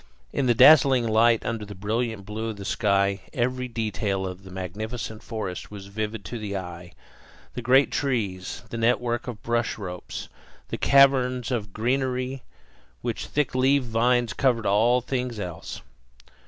In the dazzling light, under the brilliant blue of the sky, every detail of the magnificent forest was vivid to the eye: the great trees, the network of bush ropes, the caverns of greenery, where thick leaved vines covered all things else.